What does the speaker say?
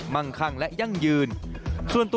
มาข้างอย่างยืนนะครับ